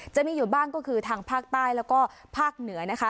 จะมีอยู่บ้างก็คือทางภาคใต้แล้วก็ภาคเหนือนะคะ